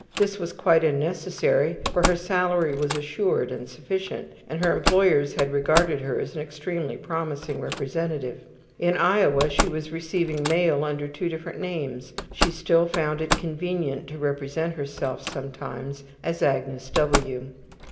This was quite unnecessary, for her salary was assured and sufficient, and her employers had regarded her as an extremely promising representative. In Iowa she was receiving mail under two different names; she still found it convenient to represent herself sometimes as Agnes W.